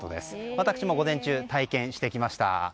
私も午前中、体験してきました。